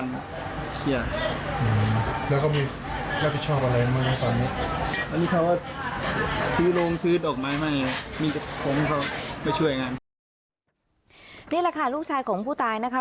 นี่แหละค่ะลูกชายของผู้ตายนะคะ